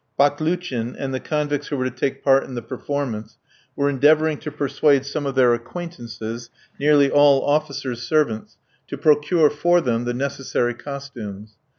Baklouchin, and the convicts who were to take part in the performance, were endeavouring to persuade some of their acquaintances, nearly all officers' servants, to procure for them the necessary costumes.